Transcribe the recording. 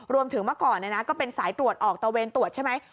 เมื่อก่อนก็เป็นสายตรวจออกตะเวนตรวจใช่ไหม